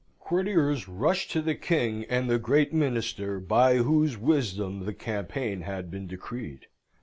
Courtiers rushed to the King and the great Minister by whose wisdom the campaign had been decreed.